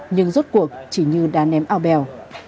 nhưng rốt cuộc chỉ như đá ném ao bèo